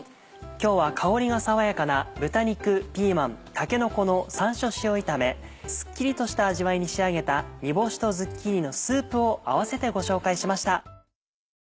今日は香りが爽やかな「豚肉ピーマンたけのこの山椒塩炒め」スッキリとした味わいに仕上げた「煮干しとズッキーニのスープ」をあわせてご紹介しました。